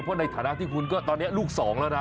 เพราะในฐานะที่คุณก็ตอนนี้ลูกสองแล้วนะ